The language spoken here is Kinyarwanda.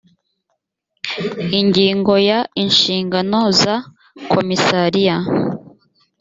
ingingo ya inshingano za komisariya